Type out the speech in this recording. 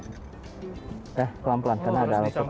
udah pelan pelan karena ada alat alat padonya